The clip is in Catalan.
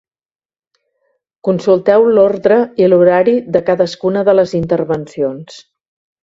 Consulteu l'ordre i l'horari de cadascuna de les intervencions.